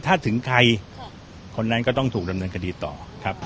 ถ้าถึงใครคนนั้นก็ต้องถูกดำเนินคดีต่อครับ